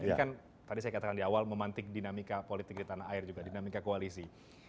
ini kan tadi saya katakan di awal memantik dinamika politik di tanah air juga dinamika koalisi